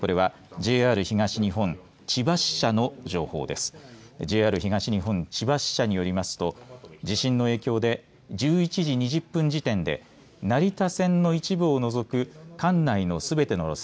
ＪＲ東日本千葉支社によりますと地震の影響で１１時２０分時点で成田線の一部を除く管内のすべての路線。